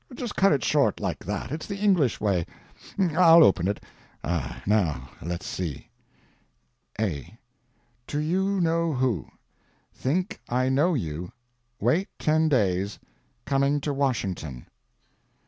Just cut it short like that. It's the English way. I'll open it. Ah, now let's see." A. TO YOU KNOW WHO. Think I know you. Wait ten days. Coming to Washington.